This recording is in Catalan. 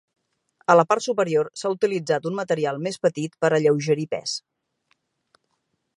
A la part superior s'ha utilitzat un material més petit per a alleugerir pes.